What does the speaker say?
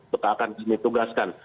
kita akan kami tugaskan